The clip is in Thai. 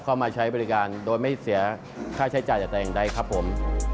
เข้ามาใช้บริการโดยไม่เสียค่าใช้จ่ายแต่แต่อย่างใดครับผม